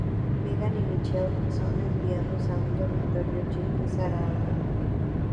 Megan y Michael son enviados a un dormitorio, Jim y Sara a otro.